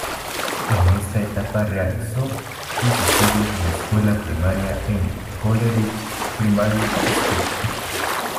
En esta etapa realizó sus estudios de escuela primaria en Coleridge Primary School.